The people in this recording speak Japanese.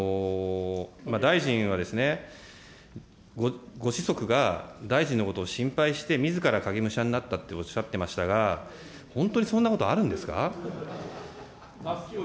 大臣は、ご子息が大臣のことを心配して、みずから影武者になったとおっしゃってましたが、本当にそんなことあるんですか。